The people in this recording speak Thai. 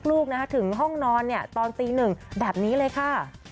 ลูกถึงห้องนอนตอนตีหนึ่งแบบนี้เลยค่ะ